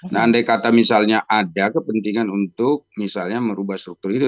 nah andai kata misalnya ada kepentingan untuk misalnya merubah struktur itu